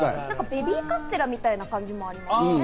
ベビーカステラみたいな感じもありますよね。